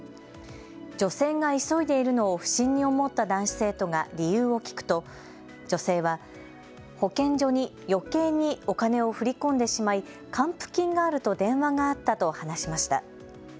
女性が急いでいるのを不審に思った男子生徒が理由を聞くと、女性は保健所に余計にお金を振り込んでしまい還付金があると電話があったと話しました。